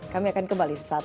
kami akan kembali sesaat lagi